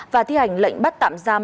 và thi hành lệnh bắt tạm giam